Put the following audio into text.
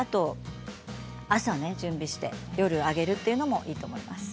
朝に準備して夜に揚げるというのもいいと思います。